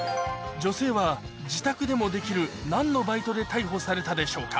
女性は自宅でもできる何のバイトで逮捕されたでしょうか？